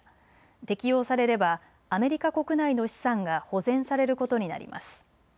適用されればアメリカ国内の資産が保全されることになります。